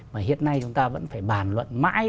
mà hiện nay chúng ta vẫn phải bàn luận mãi